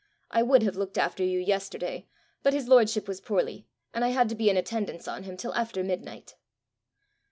I would have looked after you yesterday, but his lordship was poorly, and I had to be in attendance on him till after midnight."